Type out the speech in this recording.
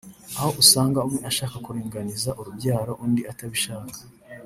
aho usanga umwe ashaka kuringaniza urubyaro undi atabishaka